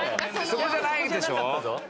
そこじゃないでしょ！